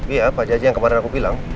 iya panjaja yang kemarin aku bilang